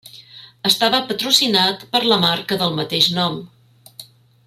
Estava patrocinat per la marca del mateix nom.